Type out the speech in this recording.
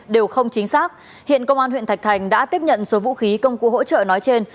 đều không chính xác hiện công an huyện thạch thành đã tiếp nhận số vũ khí công cụ hỗ trợ nói trên